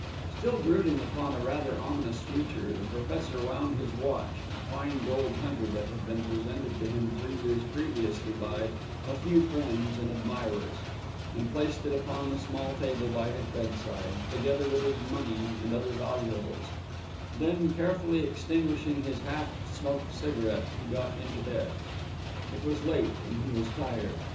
Still brooding upon a rather ominous future, the Professor wound his watch a fine gold hunter that had been presented to him three years previously by "A few friends and admirers" and placed it upon the small table by his bedside, together with his money and other valuables; then, carefully extinguishing his half smoked cigarette, he got into bed. It was late, and he was tired.